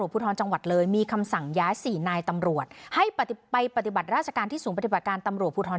ภูมิครับการปฏิบัติภูติภูตรท